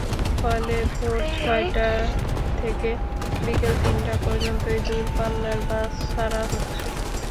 ফলে ভোর ছয়টা থেকে বিকেল তিনটা পর্যন্তই দূরপাল্লার বাস ছাড়া হচ্ছে।